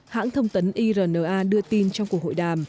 hãng thông tấn irna đưa tin trong cuộc hội đàm